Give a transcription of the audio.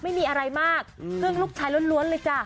ไม่มีอะไรมากพึ่งลูกชายล้วนเลยจ้ะ